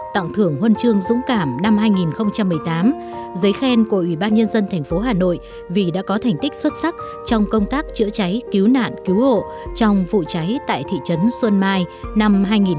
tặng thưởng huân chương dũng cảm năm hai nghìn một mươi tám giấy khen của ủy ban nhân dân thành phố hà nội vì đã có thành tích xuất sắc trong công tác chữa cháy cứu nạn cứu hộ trong vụ cháy tại thị trấn xuân mai năm hai nghìn một mươi tám